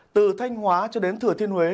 từ thanh hóa cho đến thừa thiên huế